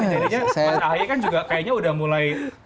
jadi mas ahaye kan juga kayaknya udah mulai